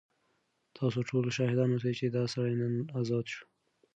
تاسو ټول شاهدان اوسئ چې دا سړی نن ازاد شو.